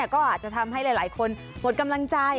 ก็อาจจะทำให้หลายคนหมดกำลังใจ